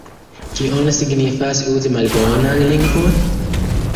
Kion signifas uzi malbonan lingvon?